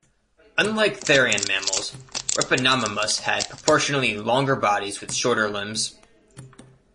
Unlike therian mammals, "Repenomamus" had proportionally longer bodies with shorter limbs.